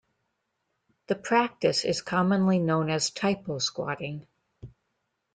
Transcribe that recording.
The practice is commonly known as "typosquatting".